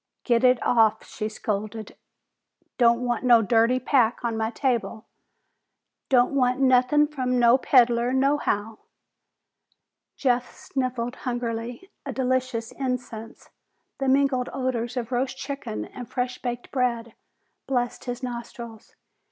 "Get it off!" she scolded. "Don't want no dirty pack on my table! Don't want nothin' from no peddler nohow!" Jeff sniffed hungrily. A delicious incense, the mingled odors of roast chicken and fresh baked bread, blessed his nostrils.